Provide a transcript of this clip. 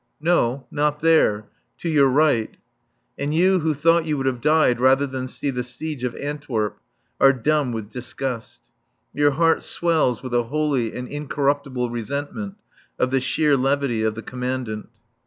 No. Not there. To your right. And you, who thought you would have died rather than see the siege of Antwerp, are dumb with disgust. Your heart swells with a holy and incorruptible resentment of the sheer levity of the Commandant.